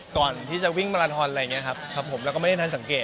ก่อนที่จะวิ่งมาราทอนอะไรอย่างนี้ครับครับผมแล้วก็ไม่ได้ทันสังเกต